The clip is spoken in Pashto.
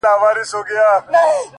زما گلاب زما سپرليه” ستا خبر نه راځي”